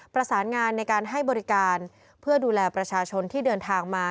ประสานงานในการให้บริการเพื่อดูแลประชาชนที่เดินทางมา